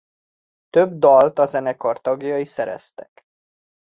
Több dalt a zenekar tagjai szereztek.